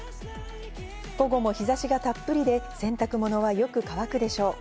午後も日差しがたっぷりで洗濯物はよく乾くでしょう。